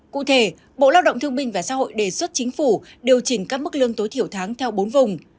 cụ thể bộ lao động thương minh và xã hội đề xuất chính phủ điều chỉnh các mức lương tối thiểu tháng theo bốn vùng